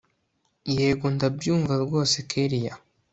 yego, ndabyumva rwose kellia